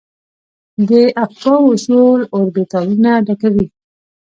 د افباؤ اصول اوربیتالونه ډکوي.